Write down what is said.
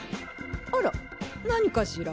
あら何かしら？